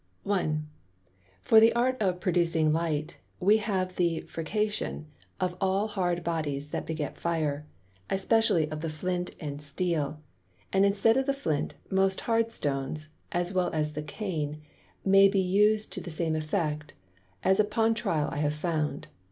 1. For the Art of Producing Light, we have the Frication of all hard Bodies that beget Fire; especially of the Flint and Steel; and instead of the Flint, most hard Stones (as well as the Cane) may be us'd to the same effect, as upon trial I have found.